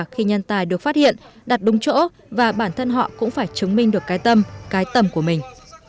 khi nhân tài được phát hiện đặt đúng chỗ và bản thân họ cũng phải chứng minh được cái tâm cái tầm của mình